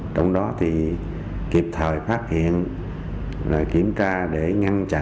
trong đó thì kịp thời phát hiện kiểm tra để ngăn chặn